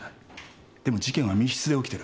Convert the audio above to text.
でも事件は密室で起きてる。